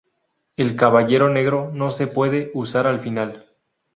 El Caballero Negro no se puede usar al final.